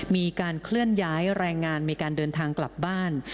มีการเคลื่อนย้ายแรงงานมีการเดินทางกลับบ้าน